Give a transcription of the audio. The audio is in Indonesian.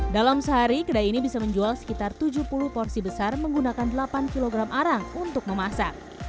dalam sehari kedai ini bisa menjual sekitar tujuh puluh porsi besar menggunakan delapan kg arang untuk memasak